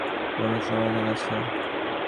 মেয়ের এই বিচিত্র অসুখের সত্যি কি কোনো সমাধান আছে?